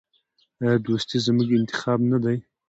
آیا دوستي زموږ انتخاب نه دی؟